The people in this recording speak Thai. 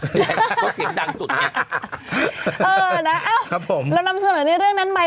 ก็เสียงดังสุดเนี่ยเออนะครับผมแล้วนำเสนอเรื่องนั้นไป